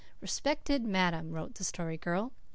"Respected Madam," wrote the Story Girl.